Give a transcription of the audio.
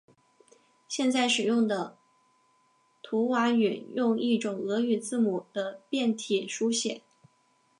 现在使用的图瓦语用一种俄语字母的变体书写。